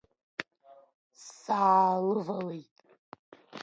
Саалывалеит.